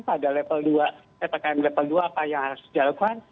pada level dua apa yang harus dilakukan